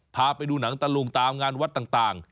พาไปดูหนังตะลุงตามงานวัดต่าง